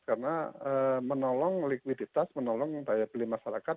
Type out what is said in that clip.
karena menolong likuiditas menolong daya beli masyarakat